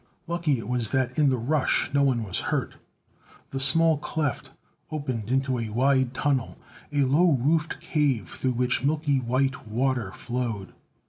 Lucky it was that in the rush no one was hurt. The small cleft opened into a wide tunnel, a low roofed cave through which milky white water flowed.